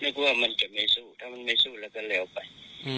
ตกลงไปถามตำรวจเลยผมให้ข้อมูลกับตำรวจเก็บเลยแล้ว